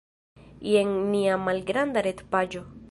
Jen nia malgranda retpaĝo.